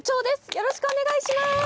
よろしくお願いします。